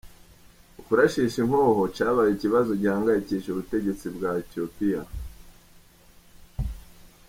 Ukurasisha inkoho cabaye ikibazo gihangayikishije ubutegetsi bwa Ethiopia.